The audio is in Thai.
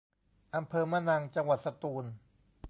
อำเภอมะนัง จังหวัดสตูล